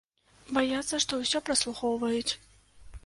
Баяцца, што ўсё праслухоўваюць.